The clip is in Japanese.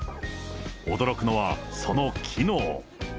驚くのはその機能。